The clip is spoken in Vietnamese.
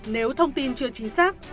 nếu thông tin chưa chính xác